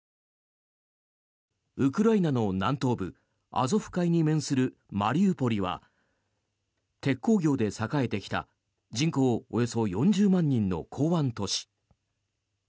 ウクライナの南東部アゾフ海に面するマリウポリは鉄鋼業で栄えてきた人口およそ４０万人の港湾都市。